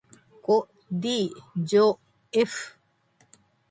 こ ｄ じょ ｆ